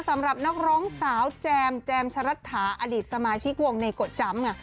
สำหรับนักร้องสาวแจมแจมชะรัฐาอดีตสมาชิกวงในกฎจำไง